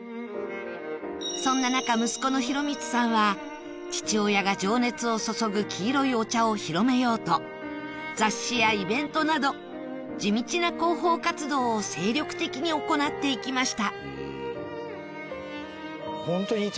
そんな中息子の浩光さんは父親が情熱を注ぐ黄色いお茶を広めようと雑誌やイベントなど地道な広報活動を精力的に行っていきました